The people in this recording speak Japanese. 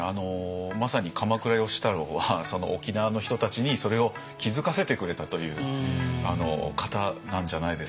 まさに鎌倉芳太郎は沖縄の人たちにそれを気づかせてくれたという方なんじゃないですかね。